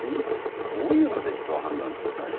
そういうので人を判断するタイプ？